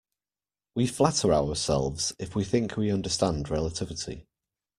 We flatter ourselves if we think we understand relativity.